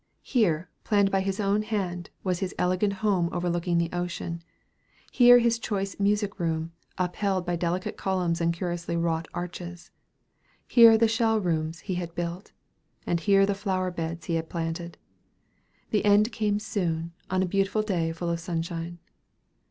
Here, planned by his own hand, was his elegant home overlooking the ocean; here his choice music room upheld by delicate columns and curiously wrought arches; here the shell roads he had built; and here the flower beds he had planted. The end came soon, on a beautiful day full of sunshine.